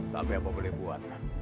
tapi apa boleh buat